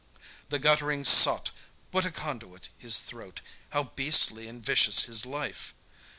The guttling sot, What a conduit his throat! How beastly and vicious his life!